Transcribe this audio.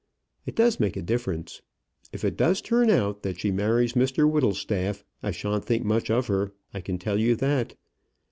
It does make a difference. If it does turn out that she marries Mr Whittlestaff, I shan't think much of her, I can tell you that.